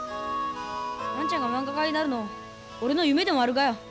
兄ちゃんがまんが家になるの俺の夢でもあるがよ。